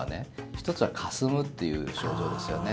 １つはかすむっていう症状ですよね。